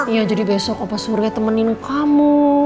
iya jadi besok pak surya temenin kamu